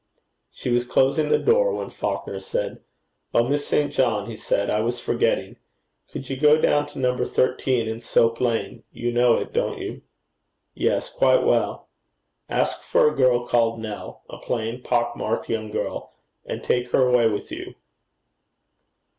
She was closing the door, when Falconer turned. 'Oh! Miss St. John,' he said, 'I was forgetting. Could you go down to No. 13 in Soap Lane you know it, don't you?' 'Yes. Quite well.' 'Ask for a girl called Nell a plain, pock marked young girl and take her away with you.'